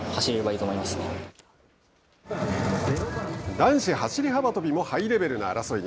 男子走り幅跳びもハイレベルな争いに。